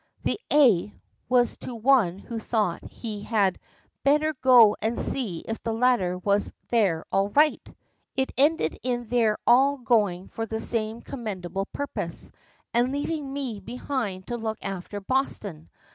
The "eh" was to one who thought he had "better go and see if the ladder was there all right." It ended in their all going for the same commendable purpose, and leaving me behind to look after Boston.